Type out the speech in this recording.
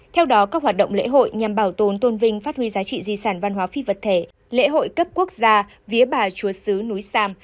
theo đó các hoạt động lễ hội nhằm bảo tồn tôn vinh phát huy giá trị di sản văn hóa phi vật thể lễ hội cấp quốc gia vía bà chúa sứ núi sam